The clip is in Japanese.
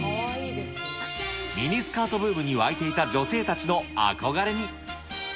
ミニスカートブームに沸いていた女性たちの憧れに。